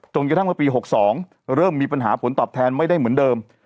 กระทั่งเมื่อปี๖๒เริ่มมีปัญหาผลตอบแทนไม่ได้เหมือนเดิม